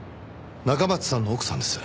中松さんの奥さんです。